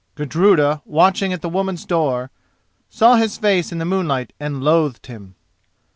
Gudruda, watching at the women's door, saw his face in the moonlight and loathed him.